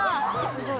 すごい。